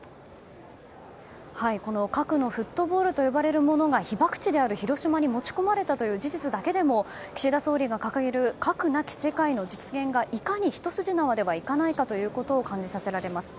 核のフットボールと呼ばれるものが被爆地である広島に持ち込まれたという事実だけでも岸田総理が掲げる核なき世界の実現がいかにひと筋縄でいかないかということを感じさせられます。